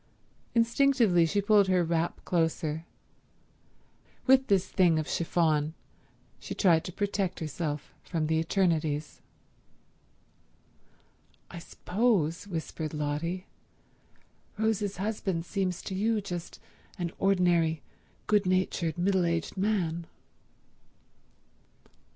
Instinctively she pulled her wrap closer. With this thing of chiffon she tried to protect herself from the eternities. "I suppose," whispered Lotty, "Rose's husband seems to you just an ordinary, good natured, middle aged man."